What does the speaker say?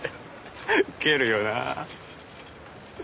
ウケるよなぁ。